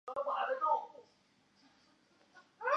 而他的姐夫是前无线电视新闻主播叶升瓒。